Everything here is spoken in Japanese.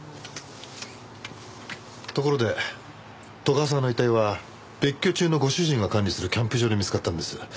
ところで斗ヶ沢の遺体は別居中のご主人が管理するキャンプ場で見つかったんです。